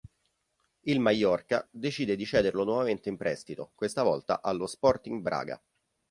Il Mallorca decide di cederlo nuovamente in prestito, questa volta allo Sporting Braga.